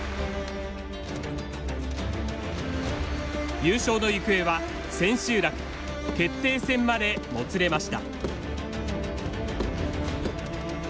優勝の行方は千秋楽決定戦までもつれました。